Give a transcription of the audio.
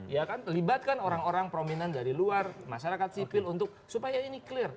ya kan libatkan orang orang prominent dari luar masyarakat sipil untuk supaya ini clear